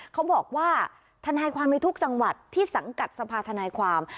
เขาบอกว่าทนายความในทุกจังหวัดที่สังกัดสภาธนายความ